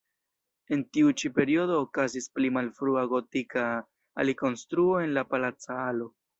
En tiu ĉi periodo okazis pli malfrua gotika alikonstruo en la palaca alo.